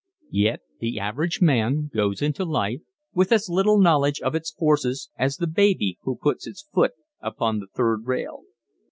Yet the average man goes into life with as little knowledge of its forces as the baby who puts its foot upon the third rail.